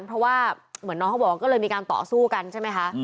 เพราะว่าเหมือนน้องเขาบอกว่าก็เลยมีการต่อสู้กันใช่ไหมคะ